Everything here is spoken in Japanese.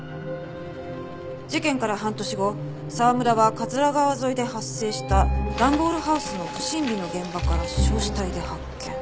事件から半年後沢村は桂川沿いで発生した段ボールハウスの不審火の現場から焼死体で発見。